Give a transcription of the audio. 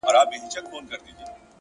هره ورځ د ځان د اصلاح فرصت دی’